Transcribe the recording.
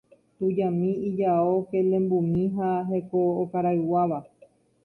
Tujami ijao kelembumi ha heko okarayguáva.